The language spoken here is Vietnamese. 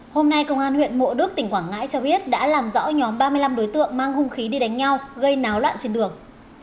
hôm nay công an huyện mộ đức tỉnh quảng ngãi cho biết đã làm rõ nhóm ba mươi năm đối tượng mang hung khí đi đánh nhau gây náo loạn trên đường